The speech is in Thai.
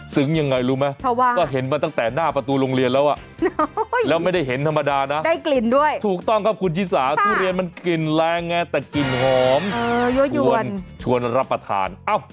ซึ้งยังไงรู้มั้ยว่าเห็นมาตั้งแต่ผ้าประตูโรงเรียนแล้วอะ